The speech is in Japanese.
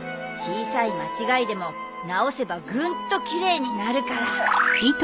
小さい間違いでも直せばぐんときれいになるから。